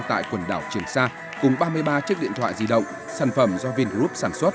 tại quần đảo trường sa cùng ba mươi ba chiếc điện thoại di động sản phẩm do vingroup sản xuất